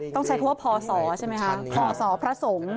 ต้องใช้คำว่าพศใช่ไหมคะพศพระสงฆ์